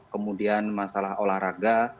kemudian masalah olahraga